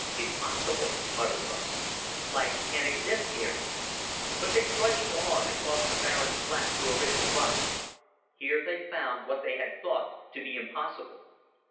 "Impossible," muttered Russ. "Life can't exist here." But they trudged on, across the barren flat to a ridge of rock. Here they found what they had thought to be impossible.